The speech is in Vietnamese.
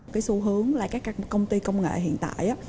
cái xu hướng là các công ty công nghệ hiện tại